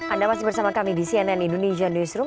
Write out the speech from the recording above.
anda masih bersama kami di cnn indonesia newsroom